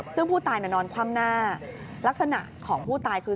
ซึ่งผู้ตายนอนคว่ำหน้าลักษณะของผู้ตายคือ